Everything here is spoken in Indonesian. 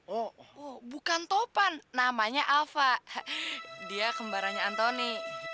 oh bukan topan namanya alva dia kembarannya antoni